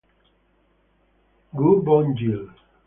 Gu Bon-gil